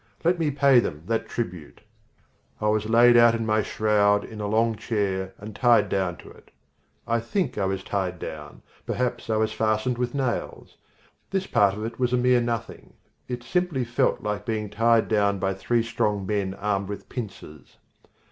Let me pay them that tribute. I was laid out in my shroud in a long chair and tied down to it (I think I was tied down; perhaps I was fastened with nails). This part of it was a mere nothing. It simply felt like being tied down by three strong men armed with pinchers.